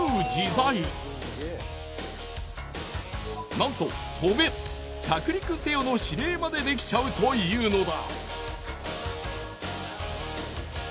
なんと「飛べ」「着陸せよ」の指令までできちゃうというのだ。